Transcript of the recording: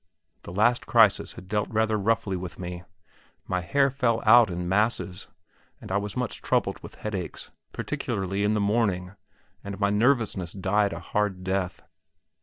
The last crisis had dealt rather roughly with me. My hair fell out in masses, and I was much troubled with headaches, particularly in the morning, and my nervousness died a hard death.